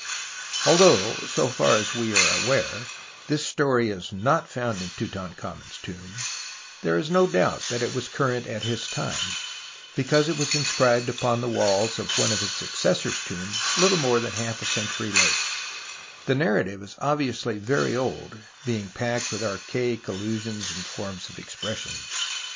Although, so far as we are aware, this story is not found in Tutankhamen's tomb, there is no doubt that it was current at his time, because it was inscribed upon the walls of one of his successor's tombs little more than half a century later, and the narrative is obviously very old, being packed with archaic allusions and forms of expression.